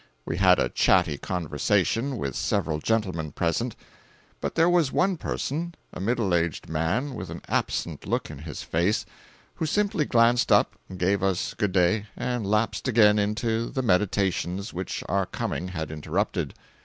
We had a chatty conversation with several gentlemen present; but there was one person, a middle aged man, with an absent look in his face, who simply glanced up, gave us good day and lapsed again into the meditations which our coming had interrupted.